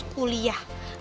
gue mau pokoknya harus kuliah